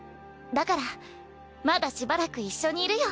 だからまだしばらく一緒にいるよ。